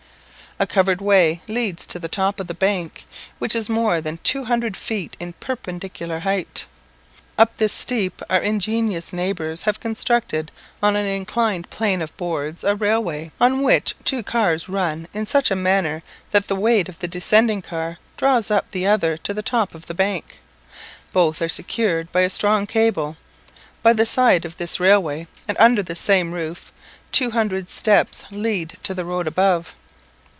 A covered way leads to the top of the bank, which is more than two hundred feet in perpendicular height. Up this steep our ingenious neighbours have constructed on an inclined plane of boards a railway, on which two cars run in such a manner that the weight of the descending car draws up the other to the top of the bank. Both are secured by a strong cable. By the side of this railway, and under the same roof, 200 steps lead to the road above.